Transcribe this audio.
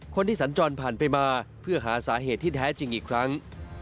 สัญจรผ่านไปมาเพื่อหาสาเหตุที่แท้จริงอีกครั้ง